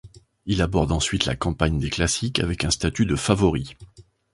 Il aborde ensuite la campagne des classiques avec un statut de favori.